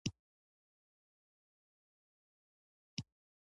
ازادي راډیو د بهرنۍ اړیکې په اړه د هر اړخیزو مسایلو پوښښ کړی.